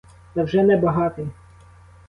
Та вже не багатий.